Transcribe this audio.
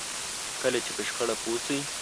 کله چې په شخړه پوه شئ.